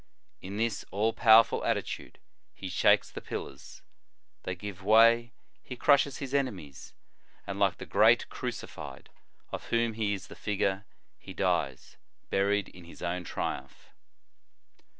In this all powerful attitude, he shakes the pillars; they give way, he crushes his enemies ; and like the Great Crucified, of whom he is the figure, he dies, buried in his own triumph."